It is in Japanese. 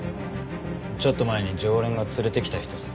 ちょっと前に常連が連れてきた人っすね。